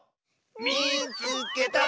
「みいつけた！」。